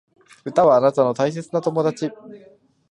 歌はあなたの大切な友達